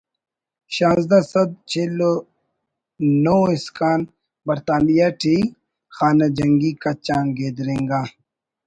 شانزدہ سد چل و ںُو اسکان برطانیہ ٹی خانہ جنگی کچ آن گدرینگا